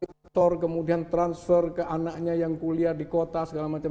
transaksi lari ke tor kemudian transfer ke anaknya yang kuliah di kota segala macam